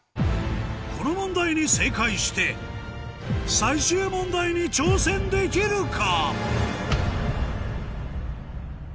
この問題に正解して最終問題に挑戦できるか？